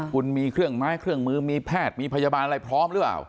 คุณมีเครื่องไม้เครื่องมือมีแพทย์มีพยาบาลอะไรพร้อมหรือเปล่า